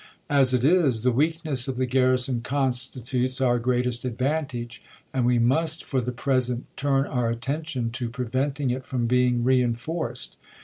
As it is, the weakness of the garrison constitutes our greatest advantage, and we must for the present turn our attention to preventing it from being reenforced.